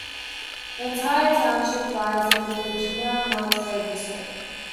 The entire township lies in the Virginia Military District.